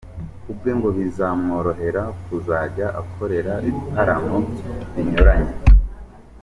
Kubwe ngo bizamworohera kuzajya ahakorera ibitaramo binyuranye.